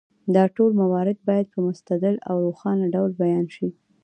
دا ټول موارد باید په مستدل او روښانه ډول بیان شي.